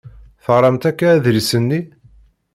Teɣṛamt akka adlis-nni?